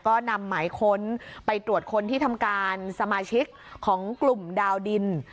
ก็นำหมายค้นไปตรวจคนที่ทำการสมาชิกของกลุ่มดาวดิน